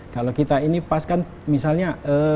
kalau kita ini pas kan misalnya